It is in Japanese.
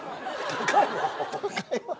高いわ。